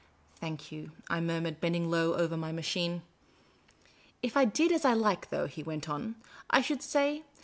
" Thank you," I murmured, bending low over my machine. " If I did as I like, though," he went on, " I should say.